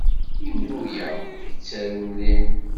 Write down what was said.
Imru-a ur yettaru mliḥ.